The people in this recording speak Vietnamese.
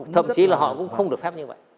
thậm chí là họ cũng không được phép như vậy